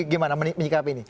gimana menikah apa ini